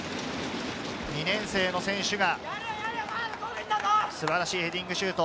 ２年生の選手が素晴らしいヘディングシュート。